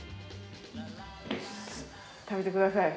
食べてください。